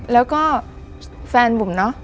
แล้วก็แฟนบุ๋มเนอะ